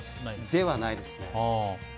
ではないですね。